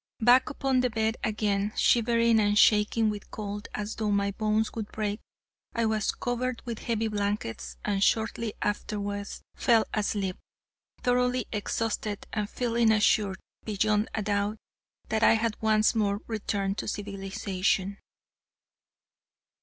Back upon the bed again, shivering and shaking with cold as though my bones would break, I was covered with heavy blankets, and shortly afterwards fell asleep, thoroughly exhausted, and feeling assured beyond a doubt that I had once more returned to civilization.